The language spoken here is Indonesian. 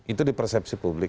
itu di persepsi publik